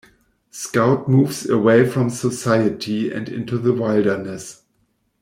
Scout moves away from society, and into the wilderness.